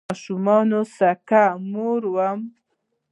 ماشومانو سکه مور وم